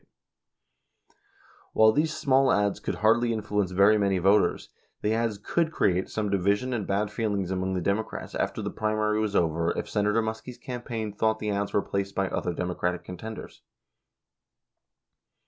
174 While these small ads could hardly influence very many voters, the ads could create some division and bad feelings among the Democrats after the primary was over if Senator Muskie's campaign thought the ads were placed by other Democratic contenders.